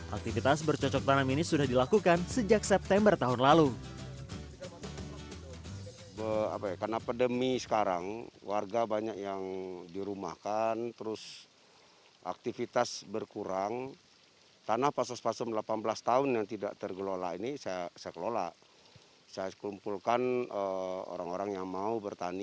aktivitas bercocok tanam ini sudah dilakukan sejak september tahun lalu